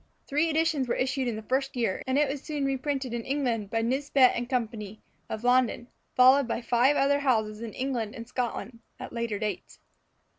Three editions were issued in the first year, and it was soon reprinted in England by Nisbet & Co., of London, followed by five other houses in England and Scotland at later dates.